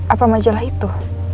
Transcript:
apa majalah itu